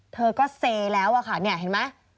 เธอก็เซแร่วค่ะนี่เห็นไหม